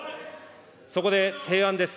そこで提案です。